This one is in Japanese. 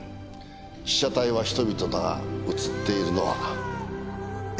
被写体は人々だが写っているのは命だ。